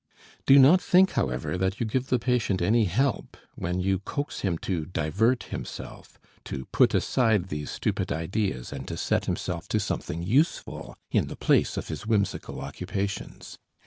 Do not think, however, that you give the patient any help when you coax him to divert himself, to put aside these stupid ideas and to set himself to something useful in the place of his whimsical occupations.